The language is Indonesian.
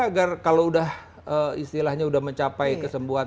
agar kalau udah istilahnya sudah mencapai kesembuhan